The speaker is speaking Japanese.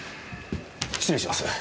失礼します。